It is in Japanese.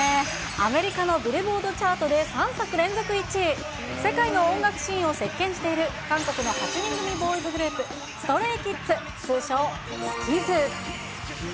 アメリカのビルボードチャートで３作連続１位、世界の音楽シーンを席けんしている韓国の８人組ボーイズグループ、ＳｔｒａｙＫｉｄｓ、通称、スキズ。